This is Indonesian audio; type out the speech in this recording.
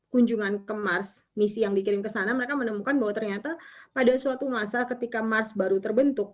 kunjungan ke mars misi yang dikirim ke sana mereka menemukan bahwa ternyata pada suatu masa ketika mars baru terbentuk